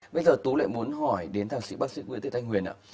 bây giờ tú lại muốn hỏi đến thằng sĩ bác sĩ nguyễn tây thanh huyền ạ